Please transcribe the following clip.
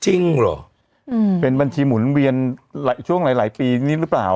จริงหรออืมเป็นบัญชีหมุนเวียนหลายช่วงหลายหลายปีนี้หรือเปล่า